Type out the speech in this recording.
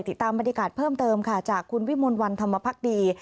ติดตามบรรยากาศเพิ่มเติมค่ะจากคุณวิมลวันธรรมพักดี